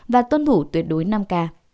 và tôn thủ tuyệt đối năm k